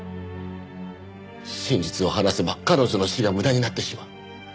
真実を話せば彼女の死が無駄になってしまう。